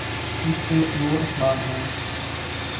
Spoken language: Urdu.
اس کے دو اسباب ہیں۔